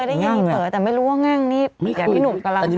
เจ้าเหมาะนี้มีประการอยู่